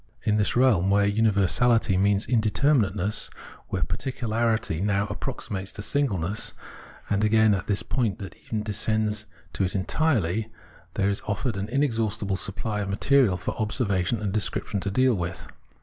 In this reahn where universality means indeterminateness, where particularity now ap proximates to singleness, and again at this point and that even descends to it entirely, there is offered an 238 Phenomenology of Mind inexhaustible supply of material for observation and description to deal with.